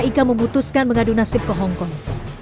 ika memutuskan mengadu nasib ke hongkong